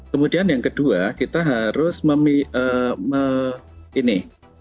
kemudian yang kedua kita harus ini